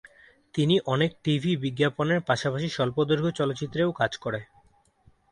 তিনি অনেক টিভি বিজ্ঞাপনের পাশাপাশি স্বল্পদৈর্ঘ্য চলচ্চিত্রেও কাজ করে।